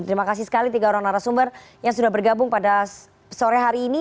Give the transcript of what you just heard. terima kasih sekali tiga orang narasumber yang sudah bergabung pada sore hari ini